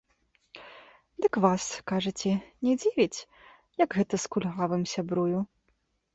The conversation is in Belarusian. Дык вас, кажаце, не дзівіць, як гэта з кульгавым сябрую?